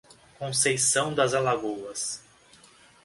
Conceição das Alagoas